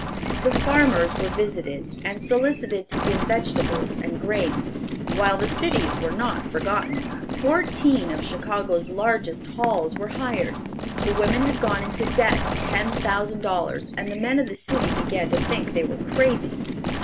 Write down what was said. The farmers were visited, and solicited to give vegetables and grain, while the cities were not forgotten. Fourteen of Chicago's largest halls were hired. The women had gone into debt ten thousand dollars, and the men of the city began to think they were crazy.